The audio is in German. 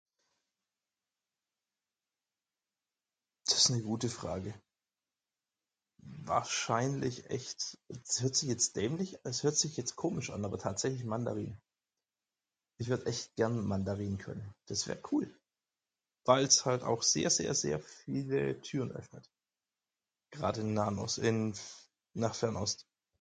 Das ne gute Frage. Wahrscheinlich echt, das hört sich jetzt dämlich das hört sich jetzt komisch an aber tatsächlich Mandarin. Ich würd echt gern Mandarin können, das wär cool. Weils auch halt sehr sehr sehr viele Türen öffnet. Grade in nahen os in nach Fernost.